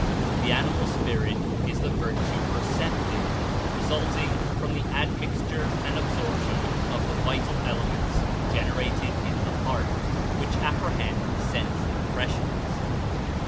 The animal spirit is the virtue perceptive, re sulti|ig from the admixture and absorption of the vital elements generated in the heart, which apprehend sense impressions.